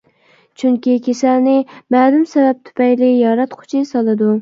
چۈنكى كېسەلنى مەلۇم سەۋەب تۈپەيلى ياراتقۇچى سالىدۇ.